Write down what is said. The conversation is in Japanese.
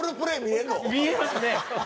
見えますね。